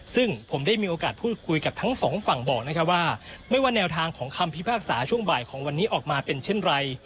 ซึ่งผมได้มีโอกาสพูดคุยกับทั้งสองฝั่งบอกนะครับว่าไม่ว่าแนวทางของคำพิพากษาช่วงบ่ายของวันนี้ออกมาเป็นเช่นไร